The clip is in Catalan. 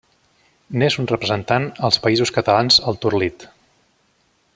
N'és un representant als Països Catalans el torlit.